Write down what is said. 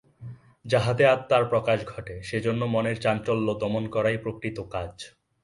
যাহাতে আত্মার প্রকাশ ঘটে, সেজন্য মনের চাঞ্চল্য দমন করাই প্রকৃত কাজ।